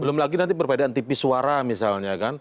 belum lagi nanti perbedaan tipis suara misalnya kan